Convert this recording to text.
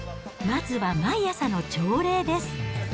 まずは毎朝の朝礼です。